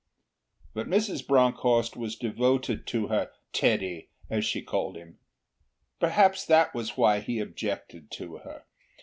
But Mrs. Bronckhorst was devoted to her 'Teddy' as she called him. Perhaps that was why he objected to her.